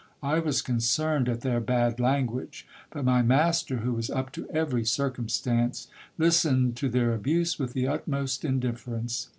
I was concerned at their bad language ; but my master, who was up to every circumstance, listened to their abuse with the utmost indifference.